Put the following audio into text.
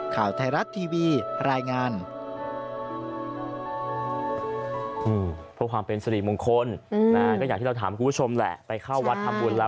ข่าวไทยรัฐทีวีรายงาน